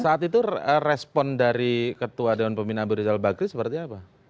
saat itu respon dari ketua dewan pembinaan birejal bagri seperti apa